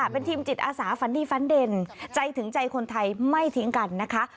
เป็นทีมจิตอาสาฝันดีฝันเด่นใจถึงใจคนไทยไม่ทิ้งกันนะคะ